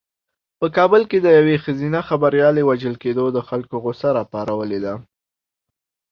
په کابل کې د یوې ښځینه خبریالې وژل کېدو د خلکو غوسه راپارولې ده.